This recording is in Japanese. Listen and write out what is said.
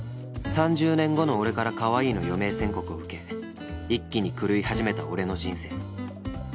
３０年後の俺からかわいいの余命宣告を受け一気に狂い始めた俺の人生